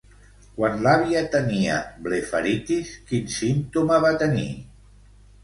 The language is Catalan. Quan l'àvia tenia blefaritis, quin símptoma va tenir?